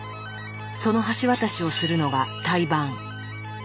その橋渡しをするのが胎盤。